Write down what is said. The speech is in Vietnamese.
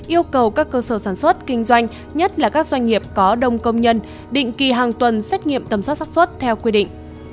yêu cầu các cơ sở sản xuất kinh doanh nhất là các doanh nghiệp có đông công nhân định kỳ hàng tuần xét nghiệm tầm soát sắc xuất theo quy định